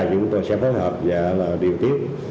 chúng tôi sẽ phối hợp và điều tiết